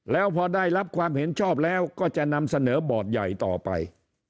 แล้วพอได้รับความเห็นชอบแล้วก็จะนำเสนอบอร์ดใหญ่ต่อไป